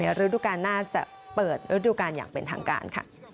ฤดูการน่าจะเปิดฤดูการอย่างเป็นทางการค่ะ